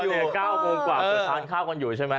อาทิตย์เก้ากงกว่าจะทานข้ากันอยู่ใช่ไหม